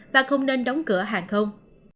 và không nên đóng cửa hàng không